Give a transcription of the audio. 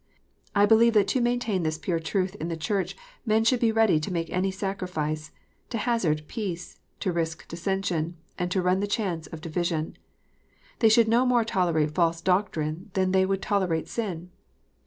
I believe that to maintain this pure truth in the Church men should be ready to make any sacrifice, to hazard peace, to risk dissension, and run the chance of division. Tliey should no more tolerate false doctrine than they would tolerate sin.